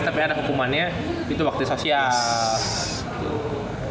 tapi ada hukumannya itu waktu sosial